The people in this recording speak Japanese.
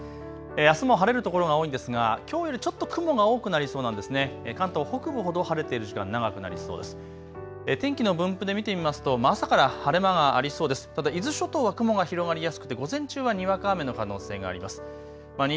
あすも晴れる所が多いですがきょうよりちょっと雲が多くなりそうです。